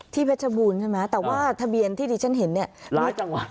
เพชรบูรณ์ใช่ไหมแต่ว่าทะเบียนที่ดิฉันเห็นเนี่ยหลายจังหวัด